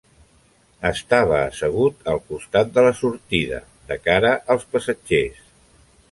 Estava assegut al costat de la sortida, de cara als passatgers.